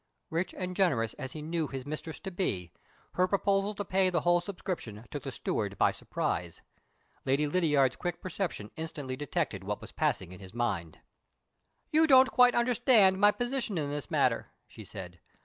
Rich and generous as he knew his mistress to be, her proposal to pay the whole subscription took the steward by surprise. Lady Lydiard's quick perception instantly detected what was passing in his mind. "You don't quite understand my position in this matter," she said.